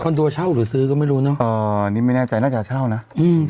โดเช่าหรือซื้อก็ไม่รู้เนอะอ่านี่ไม่แน่ใจน่าจะเช่านะอืม